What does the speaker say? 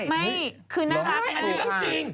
ไม่คือน่ารักเลย